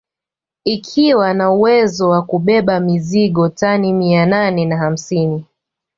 Ikiwa na uwezo wa kubeba mizigo tani mia nane na hamsini